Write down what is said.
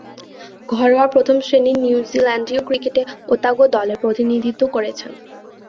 ঘরোয়া প্রথম-শ্রেণীর নিউজিল্যান্ডীয় ক্রিকেটে ওতাগো দলের প্রতিনিধিত্ব করেছেন।